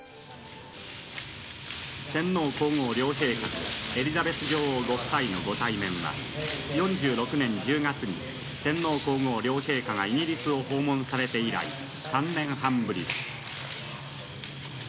天皇・皇后両陛下とエリザベス女王ご夫妻のご対面が４６年１０月に天皇・皇后両陛下がイギリスを訪問されて以来３年半ぶりです。